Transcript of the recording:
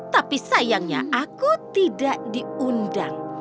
tapi sayangnya aku tidak diundang